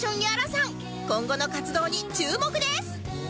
今後の活動に注目です